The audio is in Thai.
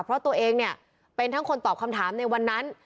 เพราะตัวเองเนี่ยเป็นทั้งคนตอบคำถามในวันนั้น